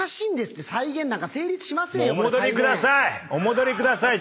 お戻りください。